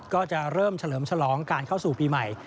ก็จะเริ่มเฉลิมฉลองการเข้าสู่ปีใหม่